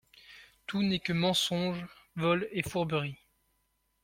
Tout n’est que mensonge, vol et fourberie !…